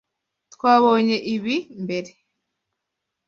Twabonye ibi mbere.